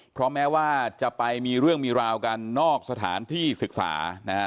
เพราะแม้ว่าจะไปมีเรื่องมีราวกันนอกสถานที่ศึกษานะฮะ